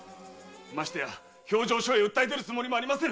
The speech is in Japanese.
ましてや評定所へ訴え出るつもりもありませぬ！